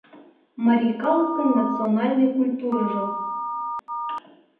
МАРИЙ КАЛЫКЫН НАЦИОНАЛЬНЫЙ КУЛЬТУРЫЖО